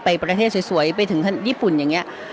ไปประเทศสวยไปถึงญี่ปุ่นอย่างนี้